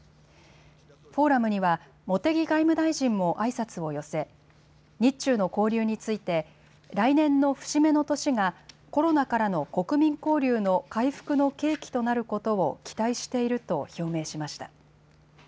フォーラムには茂木外務大臣もあいさつを寄せ日中の交流について来年の節目の年がコロナからの国民交流の回復の契機となることを期待していると表明しました。